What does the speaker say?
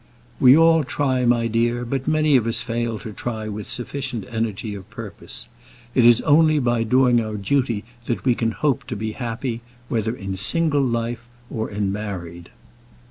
"We all try, my dear, but many of us fail to try with sufficient energy of purpose. It is only by doing our duty that we can hope to be happy, whether in single life or in married."